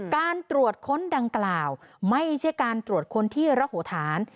การตรวจค้นดังกล่าวไม่ใช่การตรวจค้นที่ระโหฐาน